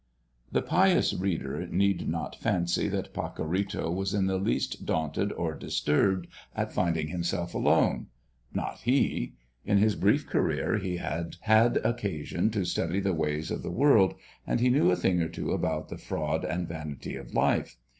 The pious reader need not fancy that Pacorrito was in the least daunted or disturbed at finding himself alone; not he. In his brief career he had had occasion to study the ways of the world, and he knew a thing or two about the fraud and vanity of life.